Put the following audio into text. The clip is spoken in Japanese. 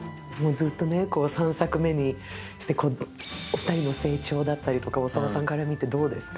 ずっとね、３作目にしてお二人の成長だったり大沢さんから見てどうですか？